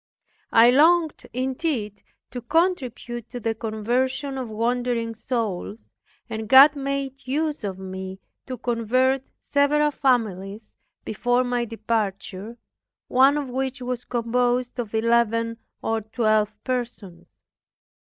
I longed indeed to contribute to the conversion of wandering souls, and God made use of me to convert several families before my departure, one of which was composed of eleven or twelve persons.